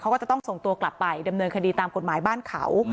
ก็ต้องส่งตัวกลับไปดำเนินคดีตามกฎหมายบ้านเขา